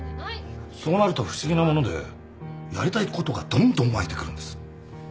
そうなると不思議なものでやりたいことがどんどん湧いてくるんです。